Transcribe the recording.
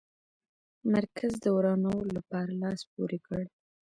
مرکز د ورانولو لپاره لاس پوري کړ.